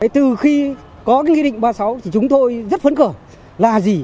từ khi có nghị định một trăm ba mươi sáu thì chúng tôi rất phấn khởi là gì